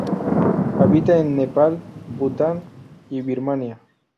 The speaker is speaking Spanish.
Habita en Nepal, Bután y Birmania.